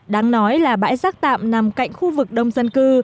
đáng nói là bãi rác tạm nằm cạnh khu vực đông dân cư